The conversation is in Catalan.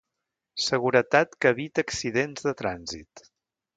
Seguretat que evita accidents de trànsit.